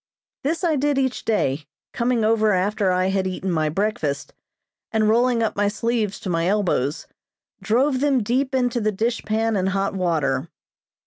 This I did each day, coming over after I had eaten my breakfast, and rolling up my sleeves to my elbows, drove them deep into the dish pan and hot water.